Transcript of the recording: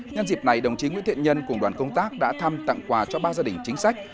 nhân dịp này đồng chí nguyễn thiện nhân cùng đoàn công tác đã thăm tặng quà cho ba gia đình chính sách